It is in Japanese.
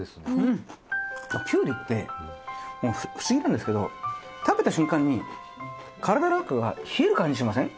キュウリって不思議なんですけど食べた瞬間に体の中が冷える感じしません？